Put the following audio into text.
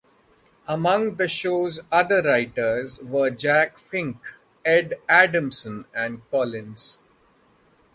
Among the show's other writers were Jack Finke, Ed Adamson and Collins.